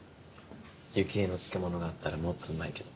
雪映の漬物があったらもっとうまいけど。